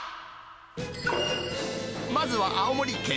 まずは青森県。